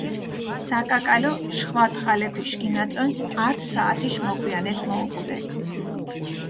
საკაკალო, შხვა დღალეფიშ გინაწონს, ართ საათიშ მოგვიანეთ მოუღუდეს.